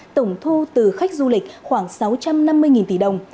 tổng thu từ khách du lịch khoảng sáu trăm năm mươi tỷ đồng